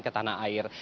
ke tanah air